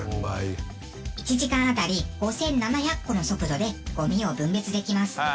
１時間あたり５７００個の速度でゴミを分別できます。